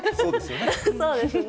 そうですよね。